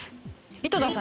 井戸田さん